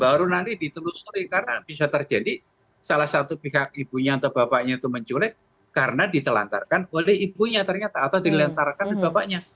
baru nanti ditelusuri karena bisa terjadi salah satu pihak ibunya atau bapaknya itu menculik karena ditelantarkan oleh ibunya ternyata atau dilentarkan oleh bapaknya